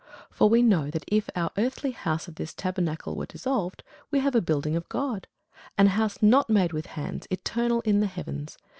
For we know that if our earthly house of this tabernacle were dissolved, we have a building of God, an house not made with hands, eternal in the heavens.